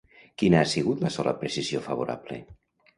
Quina ha sigut la sola precisió favorable?